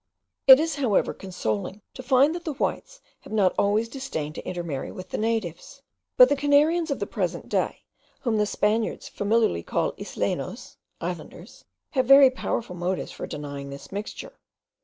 It is, however, consoling to find that the whites have not always disdained to intermarry with the natives; but the Canarians of the present day, whom the Spaniards familiarly call Islenos (Islanders), have very powerful motives for denying this mixture.